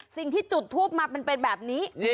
สิ่งที่จุดทูบมามันเป็นแบบนี้